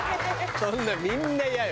そんなみんなイヤよ。